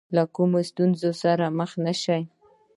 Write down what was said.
له کومې ستونزې سره مخ نه شي.